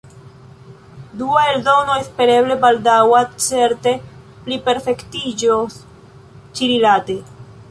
Dua eldono, espereble baldaŭa, certe pliperfektiĝos ĉirilate.